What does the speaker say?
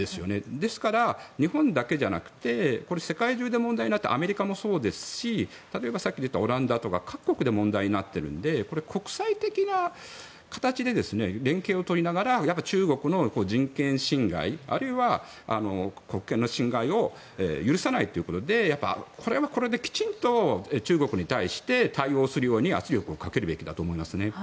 ですから、日本だけじゃなくてこれは世界中で問題になってアメリカもそうですし例えば、さっき出たオランダとか各国で問題になっているのでこれは国際的な形で連携を取りながら中国の人権侵害あるいは国権の侵害を許さないということでやっぱりこれはこれできちんと中国に対して対応するように圧力をかけるべきだと思いますね。